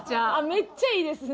めっちゃいいですね。